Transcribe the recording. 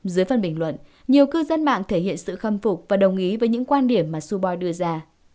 dưới phân bình luận nhiều cư dân mạng thể hiện sự khâm phục và đồng ý với những quan điểm mà subo đưa ra